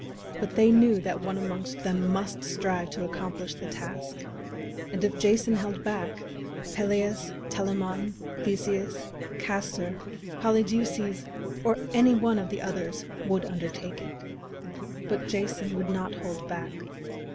But they knew that one amongst them must strive to accomplish the task. And if Jason held back, Peleus, Telamon, Theseus, Castor, Polydeuces, or any one of the others would undertake it. But Jason would not hold back.